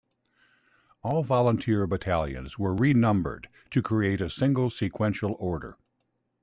All volunteer battalions were renumbered to create a single sequential order.